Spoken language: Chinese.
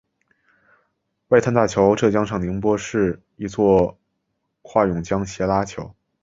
外滩大桥是浙江省宁波市一座跨甬江斜拉桥。